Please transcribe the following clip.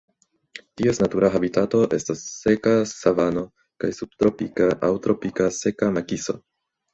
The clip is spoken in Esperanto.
Ties natura habitato estas seka savano kaj subtropika aŭ tropika seka makiso.